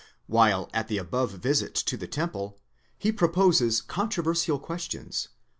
while at the above visit to the temple he proposes controversial questions